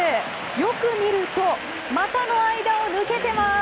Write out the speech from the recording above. よく見ると股の間を抜けてます。